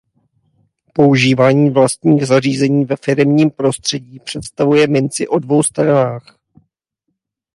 Používání vlastních zařízení ve firemním prostředí představuje minci o dvou stranách.